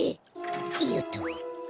よっと。